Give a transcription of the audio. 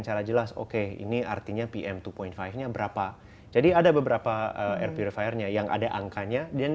cara jelas oke ini artinya pm dua lima nya berapa jadi ada beberapa air purifiernya yang ada angkanya dan